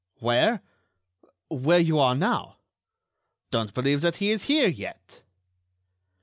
Where?... Where you are now.... Don't believe that he is here yet!..."